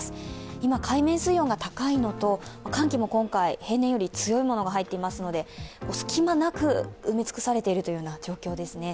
今海面水温が高いのと寒気も今回平年より強いものが入っていますので隙間なく埋め尽くされているというよな状況ですね。